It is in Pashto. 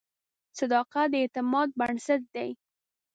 صداقت د اعتماد بنسټ دی.